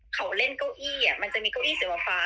เขาเล่นเก้าอี้มันจะมีเก้าอี้สีฟ้า